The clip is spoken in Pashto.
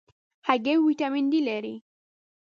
هګۍ د D ویټامین لري.